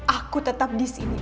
aku tetap di sini